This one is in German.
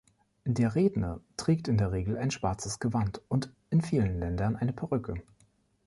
Der Redner trägt in der Regel ein schwarzes Gewand und in vielen Ländern eine Perücke.